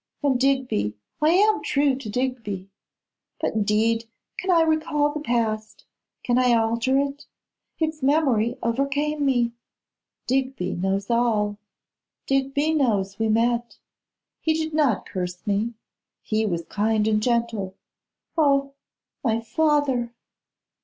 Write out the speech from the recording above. And Digby, I am true to Digby. But, indeed, can I recall the past; can I alter it? Its memory overcame me. Digby knows all; Digby knows we met; he did not curse me; he was kind and gentle. Oh! my father!